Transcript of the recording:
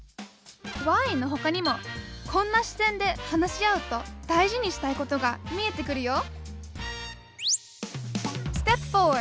ＷＨＹのほかにもこんな視点で話し合うと大事にしたいことが見えてくるよ